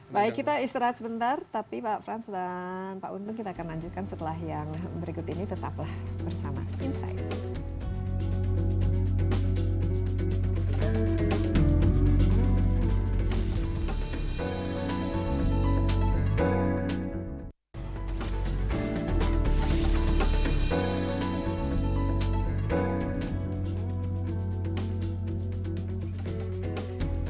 baik kita istirahat sebentar tapi pak frans dan pak undung kita akan lanjutkan setelah yang berikut ini tetaplah bersama insight